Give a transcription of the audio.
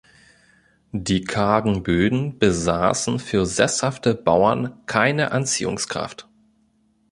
Die kargen Böden besaßen für sesshafte Bauern keine Anziehungskraft.